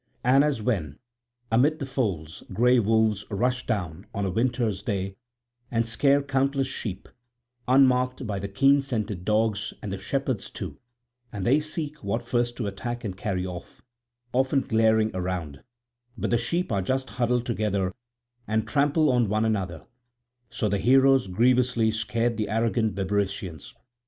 And as when amid the folds grey wolves rush down on a winter's day and scare countless sheep, unmarked by the keen scented dogs and the shepherds too, and they seek what first to attack and carry off; often glaring around, but the sheep are just huddled together and trample on one another; so the heroes grievously scared the arrogant Bebrycians.